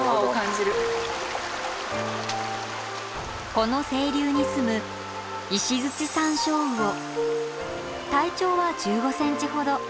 この清流に住む体長は１５ｃｍほど。